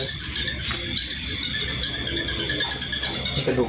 ดีตีตส้มนมาว่านี่คือกระดูก